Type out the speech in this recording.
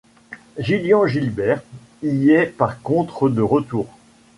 Gillian Gilbert y est par contre de retour.